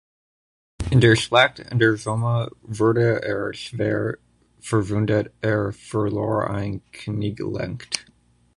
In der Schlacht an der Somme wurde er schwer verwundet, er verlor ein Kniegelenk.